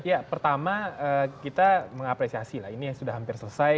ya pertama kita mengapresiasi lah ini yang sudah hampir selesai